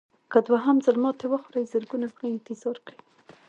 که دوهم ځل ماتې وخورئ زرګونه خولې انتظار کوي.